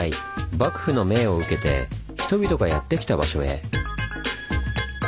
幕府の命を受けて人々がやって来た場所へ。